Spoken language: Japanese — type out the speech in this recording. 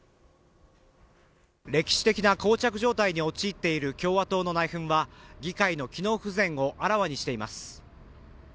歴史的なこう着状態に陥っている共和党の内紛は議会の機能不全をあらわにしています。